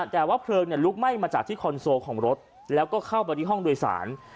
แต่ว่าเพลิงลุกไหม้มาจากที่คอนโซลของรถแล้วก็เข้าไปที่ห้องโดยสาร